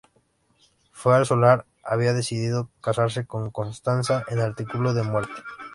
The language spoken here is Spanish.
Fue al solar había decidido casarse con Constanza en artículo de muerte.